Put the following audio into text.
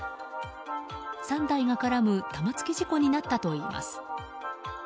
３台が絡む玉突き事故になったといいます。